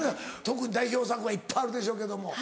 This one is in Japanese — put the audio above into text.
特に代表作はいっぱいあるでしょうけども。